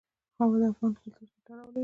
هوا د افغان کلتور سره تړاو لري.